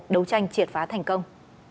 đấu tranh triệt phá thành công